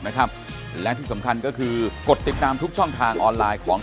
กันถึงวันศุกร์นะครับและที่สำคัญก็คือกดติดตามทุกช่องทางออนไลน์ของ